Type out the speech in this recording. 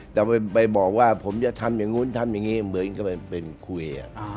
แต่ไปบอกว่าผมจะทำอย่างนู้นทำอย่างนี้เหมือนก็ไปเป็นคุย